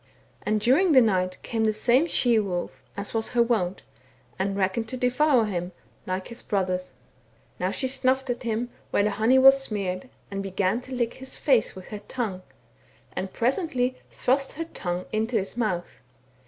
And during the night came the same she wolf, as was her wont, and reckoned to devour him, like his brothers. THE WERE WOLF IN THE NORTH. 21 "Now she snuffed at him, where the honey was smeared, and began to lick his face with her tongue, and presently thrust her tongue into his mouth.